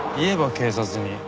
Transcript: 警察に。